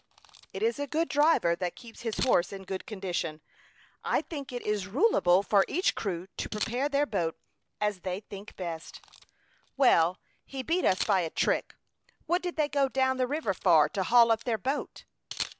"It is a good driver that keeps his horse in good condition. I think it is rulable for each crew to prepare their boat as they think best." "Well, he beat us by a trick. What did they go down the river for to haul up their boat?"